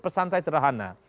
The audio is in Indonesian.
pesan saya sederhana